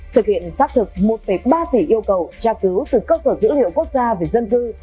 thực hiện xác thực một ba tỷ yêu cầu tra cứu từ cơ sở dữ liệu quốc gia về dân cư